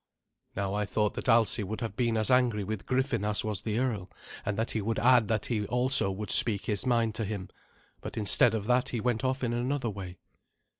Now I thought that Alsi would have been as angry with Griffin as was the earl, and that he would add that he also would speak his mind to him, hut instead of that he went off in another way.